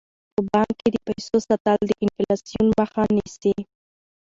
په بانک کې د پیسو ساتل د انفلاسیون مخه نیسي.